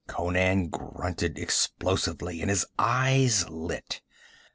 Conan grunted explosively and his eyes lit.